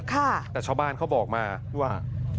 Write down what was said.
แต่ชาวบ้านเขาบอกมาว่า